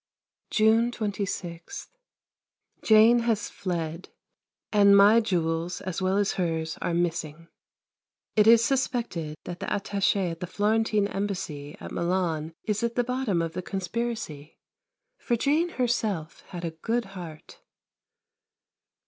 June 26. Jane has fled, and my jewels as well as hers are missing. It is suspected that the attaché at the Florentine Embassy at Milan is at the bottom of the conspiracy, for Jane herself had a good heart.